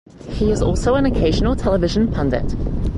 He is also an occasional television pundit.